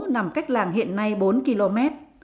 nằm cách làng hiện nay bốn km